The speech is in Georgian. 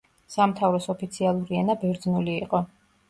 სამთავროს ოფიციალური ენა ბერძნული იყო.